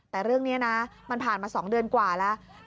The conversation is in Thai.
แต่เรื่องนี้นะมันผ่านมา๒เดือนกว่าแล้ว